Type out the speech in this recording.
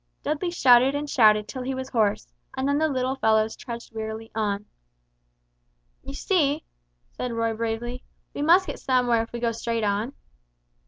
Dudley shouted and shouted till he was hoarse, and then the little fellows trudged wearily on. "You see," said Roy, bravely; "we must get somewhere if we go straight on."